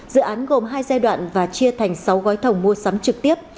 dự án gồm hai giai đoạn và chia thành sáu gói thầu mua sắm trực tiếp